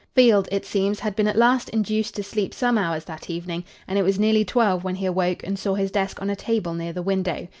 Field, it seems, had been at last induced to sleep some hours that evening, and it was nearly twelve when he awoke and saw his desk on a table near the window.